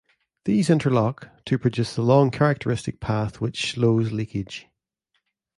These interlock, to produce the long characteristic path which slows leakage.